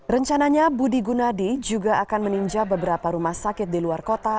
rencananya budi gunadi juga akan meninja beberapa rumah sakit di luar kota